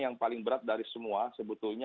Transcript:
yang paling berat dari semua sebetulnya